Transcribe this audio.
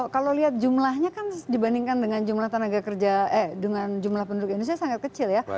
kalau lihat jumlahnya kan dibandingkan dengan jumlah tenaga kerja eh dengan jumlah penduduk indonesia sangat kecil ya